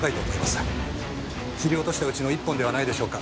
切り落としたうちの一本ではないでしょうか。